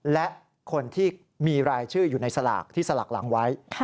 และคนที่มีรายชื่ออยู่ในสลากที่สลากหลังไว้